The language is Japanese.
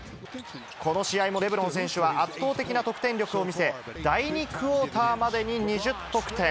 この試合もレブロン選手は圧倒的な得点力を見せ、第２クオーターまでに２０得点。